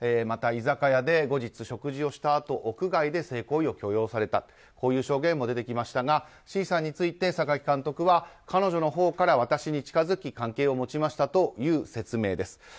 また居酒屋で後日、食事をしたあと屋外で性行為を強要されたとこういう証言も出てきましたがＣさんについて榊監督は、彼女のほうから私に近づき関係を持ちましたという説明です。